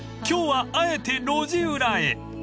今日はあえて路地裏へ！］